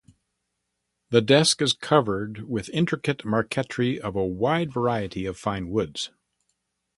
The desk is covered with intricate marquetry of a wide variety of fine woods.